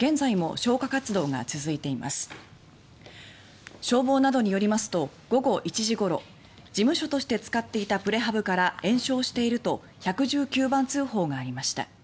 消防などによりますと午後１時ごろ事務所として使っていたプレハブから延焼していると１１９番通報がありました。